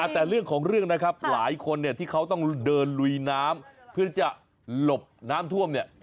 แต่เรื่องของเรื่องนะครับหลายคนเนี่ยที่เขาต้องเดินลุยน้ำเพื่อที่จะหลบน้ำท่วมเนี่ย